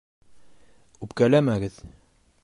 Үпкәләмәгеҙ!